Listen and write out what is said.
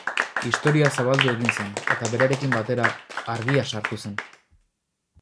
Istorioa zabaldu egin zen, eta, berarekin batera, argia sartu zen.